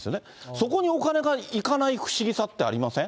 そこにお金がいかない不思議さってありません？